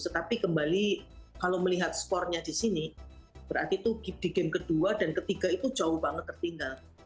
tetapi kembali kalau melihat skornya di sini berarti itu di game kedua dan ketiga itu jauh banget tertinggal